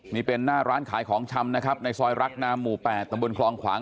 นี่เป็นหน้าร้านขายของชำนะครับในซอยรักนามหมู่๘ตำบลคลองขวาง